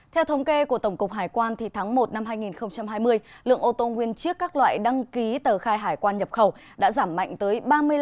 theo thống kê của tổng cục hải quan tháng một năm hai nghìn hai mươi lượng ô tô nguyên chiếc các loại đăng ký tờ khai hải quan nhập khẩu đã giảm mạnh tới ba mươi năm